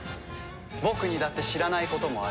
僕にだって知らないこともある。